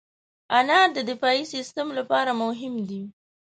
انار د دفاعي سیستم لپاره مهم دی.